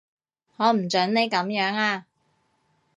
我唔準你噉樣啊